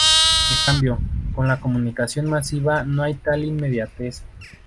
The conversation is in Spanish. En cambio, con la comunicación masiva, no hay tal inmediatez.